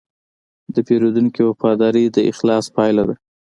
د پیرودونکي وفاداري د اخلاص پایله ده.